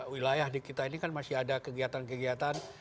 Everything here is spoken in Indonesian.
wilayah di kita ini kan masih ada kegiatan kegiatan